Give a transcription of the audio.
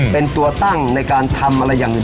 เป็นตัวตั้งในการทำอะไรอย่างอื่น